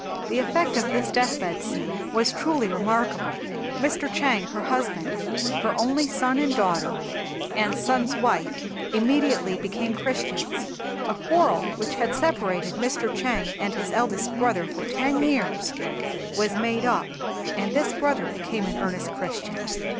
The effect of this deathbed scene was truly remarkable. Mr. Chang her husband, her only son and daughter and son's wife immediately became Christians. A quarrel which had separated Mr. Chang and his eldest brother for ten years was made up and this brother became an earnest Christian.